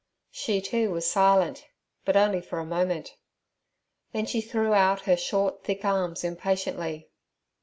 She, too, was silent, but only for a moment. Then she threw out her short, thick arms impatiently.